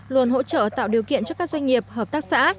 luôn hỗ trợ tạo điều kiện cho các doanh nghiệp hợp tác xã